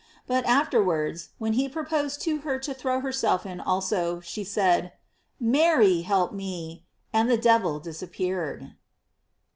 But after wards, when he proposed to her to throw herself in also, she said: "Mary, help me," and the dev il disappeared.